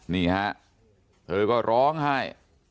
นี่ฮะเธอก็ร้องไห้